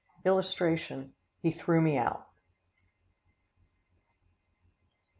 [Illustration: HE THREW ME OUT.